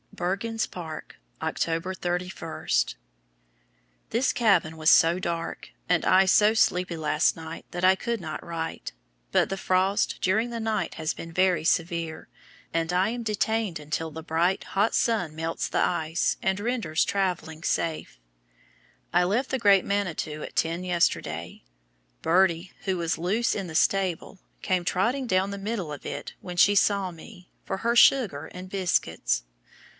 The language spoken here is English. BERGENS PARK, October 31. This cabin was so dark, and I so sleepy last night, that I could not write; but the frost during the night has been very severe, and I am detained until the bright, hot sun melts the ice and renders traveling safe. I left the great Manitou at ten yesterday. Birdie, who was loose in the stable, came trotting down the middle of it when she saw me for her sugar and biscuits.